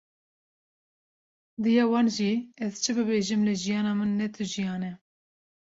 Diya wan jî: Ez çi bibêjim, lê jiyana min, ne tu jiyan e.”